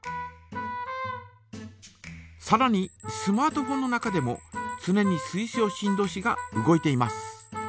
さらにスマートフォンの中でもつねに水晶振動子が動いています。